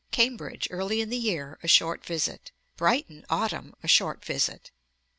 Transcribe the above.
Cambridge, early in the year; a short visit. Ante, i. 487. Brighton, autumn; a short visit.